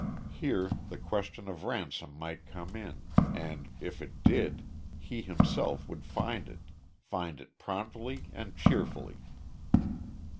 Here the question of ransom might come in, and if it did, he himself would find it find it promptly and cheerfully.